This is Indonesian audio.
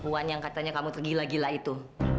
puan yang katanya kamu tergila gila itu